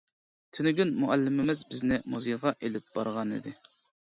تۈنۈگۈن مۇئەللىمىمىز بىزنى مۇزېيغا ئېلىپ بارغانىدى.